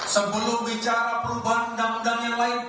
sebelum bicara perubahan undang undang yang lain